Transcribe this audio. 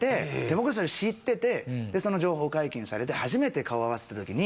僕はそれ知っててその情報解禁されて初めて顔を合わせた時に。